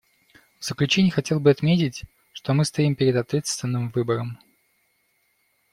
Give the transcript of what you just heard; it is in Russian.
В заключение хотел бы отметить, что мы стоим перед ответственным выбором.